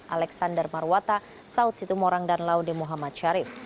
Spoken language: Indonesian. alexander marwata saud situmorang dan laude muhammad syarif